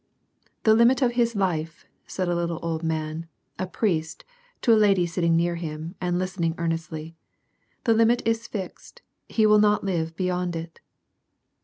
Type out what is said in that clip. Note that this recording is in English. " The limit of his life," said a little old man, a priest, to a lady sitting near him and listening earnestly, " the limit is fixed, he will not live beyond it."